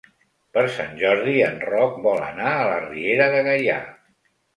Per Sant Jordi en Roc vol anar a la Riera de Gaià.